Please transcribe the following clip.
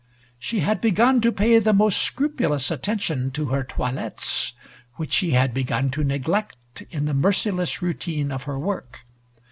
She had begun to pay the most scrupulous attention to her toilettes, which she had begun to neglect in the merciless routine of her work.